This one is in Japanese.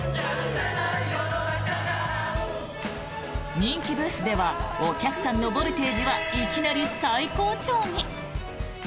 人気ブースではお客さんのボルテージはいきなり最高潮に。